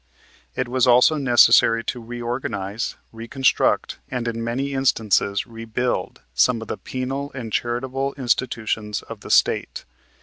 It was also necessary to reorganize, reconstruct and, in many instances, rebuild some of the penal and charitable institutions of the State.